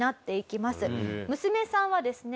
娘さんはですね